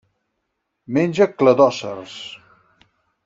Menja cladòcers.